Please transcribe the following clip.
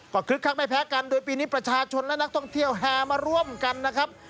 ก็คึกคักไม่แพ้กันโดยปีนี้ประชาชนและนักท่องเที่ยวแห่มาร่วมกันนะครับ